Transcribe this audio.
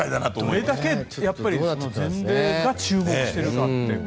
どれだけ全米が注目してるかって。